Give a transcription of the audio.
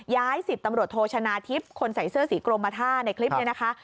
ย้าย๑๐ตำรวจโทชนะทิพย์คนใส่เสื้อสีกรมมาท่าในคลิปนี้นะคะ